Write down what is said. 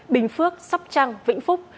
bình phước sóc trăng vĩnh phúc